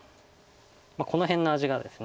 この辺の味がです。